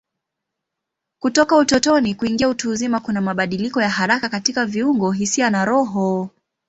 Kutoka utotoni kuingia utu uzima kuna mabadiliko ya haraka katika viungo, hisia na roho.